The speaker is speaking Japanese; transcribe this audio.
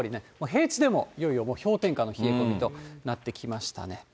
平地でもいよいよもう氷点下の冷え込みとなってきましたね。